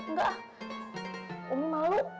enggak umi malu